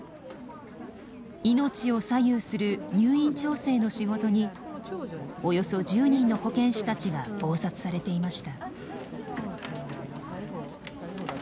命を左右する入院調整の仕事におよそ１０人の保健師たちが忙殺されていました。